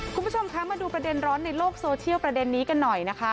คุณผู้ชมคะมาดูประเด็นร้อนในโลกโซเชียลประเด็นนี้กันหน่อยนะคะ